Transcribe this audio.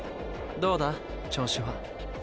どうだ調子は？